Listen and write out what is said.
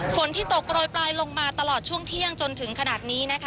ฝนที่ตกโรยปลายลงมาตลอดช่วงเที่ยงจนถึงขนาดนี้นะคะ